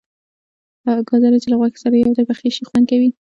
گازرې چې له غوښې سره یو ځای پخې شي خوند کوي.